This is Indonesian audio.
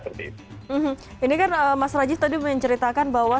ini kan mas raji tadi menceritakan bahwa salah satu kasus positif ini adalah kecelakaan